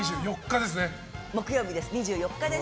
木曜日です。